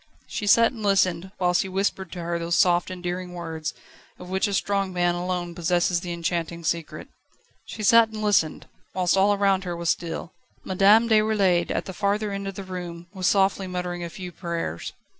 She sat and listened, whilst he whispered to her those soft, endearing words, of which a strong man alone possesses the enchanting secret. She sat and listened, whilst all around her was still. Madame Déroulède, at the farther end of the room, was softly muttering a few prayers.